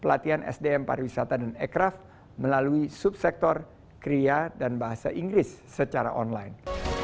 pelatihan sdm pariwisata dan ekraf melalui subsektor kriya dan bahasa inggris secara online